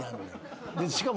しかも。